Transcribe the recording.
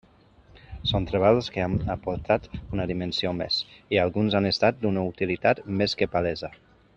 Són treballs que han aportat una dimensió més, i alguns han estat d'una utilitat més que palesa.